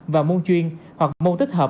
và môn chuyên hoặc môn tích hợp